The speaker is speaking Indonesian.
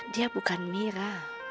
dia bukan mira